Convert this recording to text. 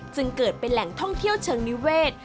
จึงเกิดเป็นแหล่งท่องเที่ยวเชิงนิเวศ